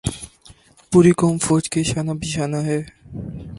پوری قوم فوج کے شانہ بشانہ ہے۔